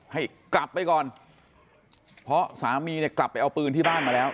ให้กลับไปก่อนเพราะสามีเนี่ยกลับไปเอาปืนที่บ้านมาแล้ว